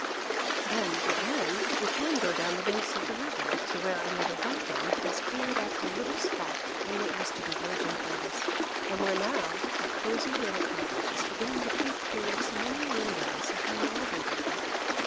Then, again, we can go down the banks of the river to where our neighbor Duncan has cleared up a little spot in what used to be virgin forest, and where now a cosey little cottage is beginning to peep through its many windows upon the river view.